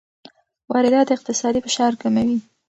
واردات اقتصادي فشار کموي.